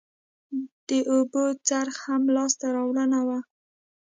د اوبو څرخ هم لاسته راوړنه وه